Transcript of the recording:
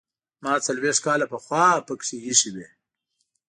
ما څلوېښت کاله پخوا پکې ایښې وې.